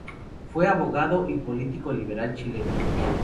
Fue un abogado y político liberal chileno.